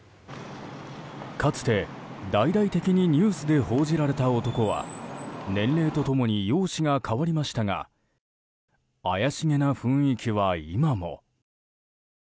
かつて大々的にニュースで報じられた男は年齢と共に容姿が変わりましたが怪しげな雰囲気は今も。